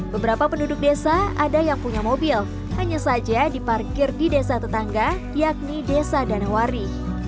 beberapa penduduk desa ada yang punya mobil hanya saja diparkir di desa tetangga yakni desa danawari